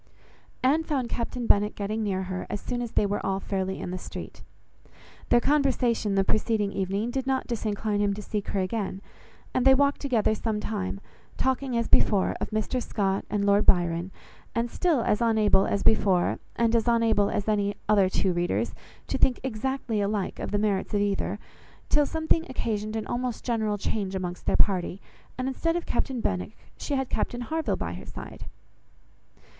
Anne found Captain Benwick getting near her, as soon as they were all fairly in the street. Their conversation the preceding evening did not disincline him to seek her again; and they walked together some time, talking as before of Mr Scott and Lord Byron, and still as unable as before, and as unable as any other two readers, to think exactly alike of the merits of either, till something occasioned an almost general change amongst their party, and instead of Captain Benwick, she had Captain Harville by her side.